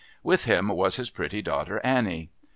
With him was his pretty daughter Annie.